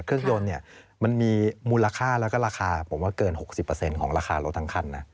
เครื่องยนต์มันมีมูลค่าแล้วก็ราคาผมว่าเกิน๖๐ของราคารถทั้งคันนะ